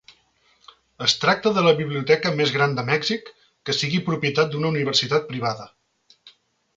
Es tracta de la biblioteca més gran de Mèxic que sigui propietat d'una universitat privada.